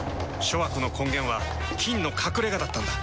諸悪の根源は「菌の隠れ家」だったんだ。